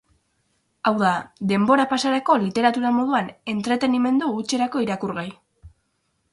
Hau da, denbora pasarako literatura moduan, entretenimendu hutserako irakurgai.